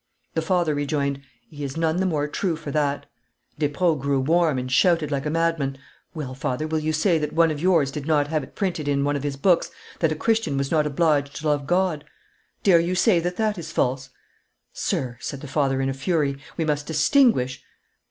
The father rejoined, 'He is none the more true for that.' Despreaux grew warm, and shouted like a madman: 'Well, father, will you say that one of yours did not have it printed in one of his books that a Christian was not obliged to love God? Dare you say that that is false?' 'Sir,' said the father, in a fury, 'we must distinguish.